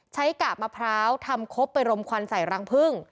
กาบมะพร้าวทำครบไปรมควันใส่รังพึ่ง